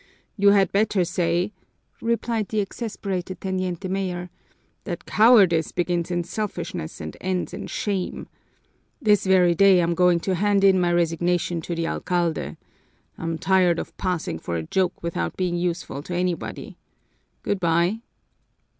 "You had better say," replied the exasperated teniente mayor, "that cowardice begins in selfishness and ends in shame! This very day I'm going to hand in my resignation to the alcalde. I'm tired of passing for a joke without being useful to anybody. Good by!"